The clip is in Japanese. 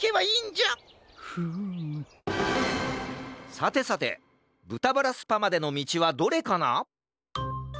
さてさてぶたバラスパまでのみちはどれかな？